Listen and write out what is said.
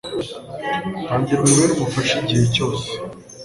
Tangira umubere umufasha igihe cyose